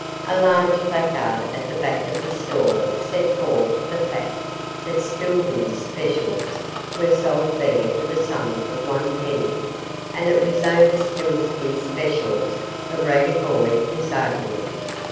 A large placard at the back of the stall set forth the fact that 'Spilsby's Specials' were sold there for the sum of one penny, and it was over 'Spilsby's Specials' the ragged boy was arguing.